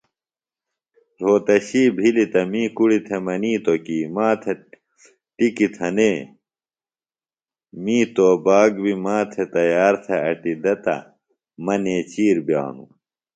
رھوتشی بِھلیۡ تہ می کُڑیۡ تھےۡ منِیتوۡ کیۡ ما تھےۡ ٹِکی تھنے، می توباک بیۡ ما تھےۡ تیار تھہ اٹیۡ دہ تہ مہ نیچِیر بِئانوۡ